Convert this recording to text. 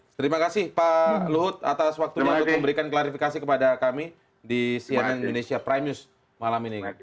terima kasih pak luhut atas waktunya untuk memberikan klarifikasi kepada kami di cnn indonesia prime news malam ini